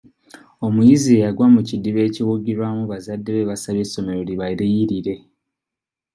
Omuyizi eyagwa mu kidiba ekiwugirwamu bazadde be basabye essomero libaliyirire.